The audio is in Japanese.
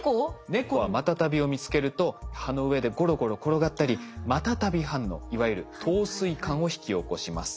猫はマタタビを見つけると葉の上でゴロゴロ転がったりマタタビ反応いわゆる陶酔感を引き起こします。